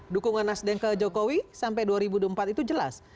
dukungan nasdem ke jokowi sampai dua ribu dua puluh empat itu jelas